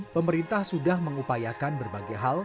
pemerintah sudah mengupayakan berbagai hal